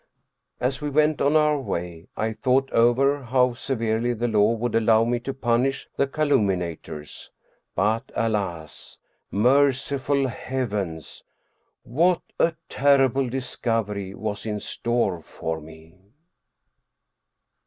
As we went on our way I thought over how severely the law would allow me to punish the calumniators. But alas, Merciful Heavens ! What a terrible discovery was in store for me